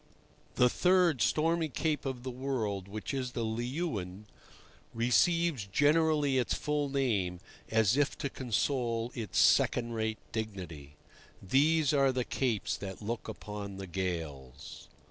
The third stormy cape of the world, which is the Leeuwin, receives generally its full name, as if to console its second rate dignity. These are the capes that look upon the gales.